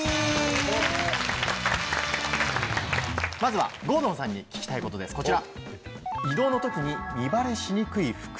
まずは郷敦さんに聞きたいことですこちら。